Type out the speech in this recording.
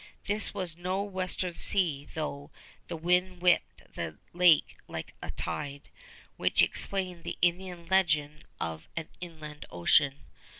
This was no Western Sea, though the wind whipped the lake like a tide, which explained the Indian legend of an inland ocean.